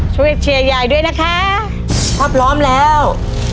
ช่วยเชียร์ยายด้วยนะคะพร้อมแล้ว